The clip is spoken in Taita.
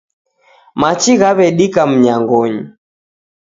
Machi ghaw'edika mnyangonyi.